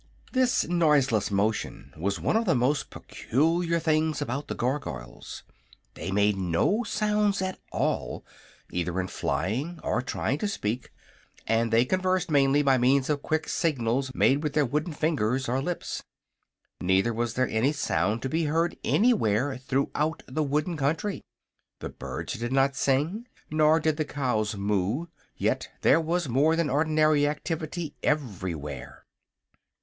This noiseless motion was one of the most peculiar things about the Gargoyles. They made no sounds at all, either in flying or trying to speak, and they conversed mainly by means of quick signals made with their wooden fingers or lips. Neither was there any sound to be heard anywhere throughout the wooden country. The birds did not sing, nor did the cows moo; yet there was more than ordinary activity everywhere.